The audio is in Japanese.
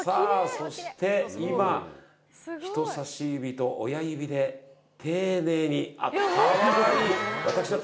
そして今人さし指と親指で丁寧に。あっかわいい！